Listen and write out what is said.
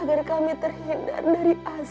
agar kami terhindar dari azan